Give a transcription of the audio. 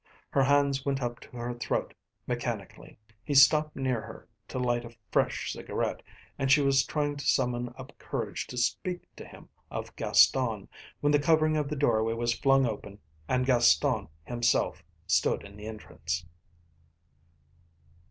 Her hands went up to her throat mechanically. He stopped near her to light a fresh cigarette, and she was trying to summon up courage to speak to him of Gaston when the covering of the doorway was flung open and Gaston himself stood in the entrance.